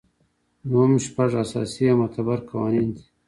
دوهم شپږ اساسي یا معتبر قوانین دي.